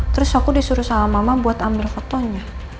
terus aku disuruh sama mama buat ambil fotonya